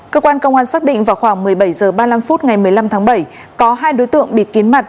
cơ quan công an xác định vào khoảng một mươi bảy h ba mươi năm phút ngày một mươi năm tháng bảy có hai đối tượng bị kiến mặt